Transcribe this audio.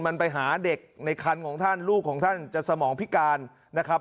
มันไปหาเด็กในคันของท่านลูกของท่านจะสมองพิการนะครับ